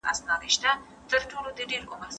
غلامي په ټوله نړۍ کي غیر قانوني ده.